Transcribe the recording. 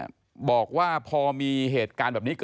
ไม่รู้ว่าใครชกต่อยกันอยู่แล้วอะนะคะ